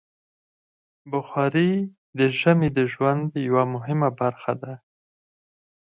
بخاري د ژمي د ژوند یوه مهمه برخه ده.